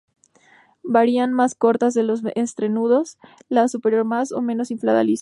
Vainas más cortas que los entrenudos, la superior más o menos inflada, lisas.